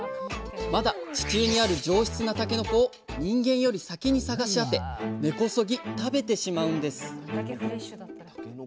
まだ地中にある上質なたけのこを人間より先に探し当て根こそぎ食べてしまうんです